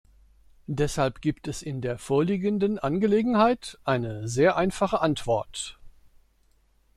Deshalb gibt es in der vorliegenden Angelegenheit eine sehr einfache Antwort.